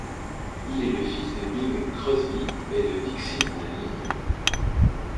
Il est le fils de Bing Crosby et de Dixie Lee.